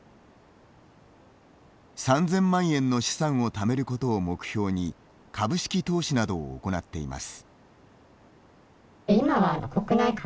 ３０００万円の資産をためることを目標に株式投資などを行っています。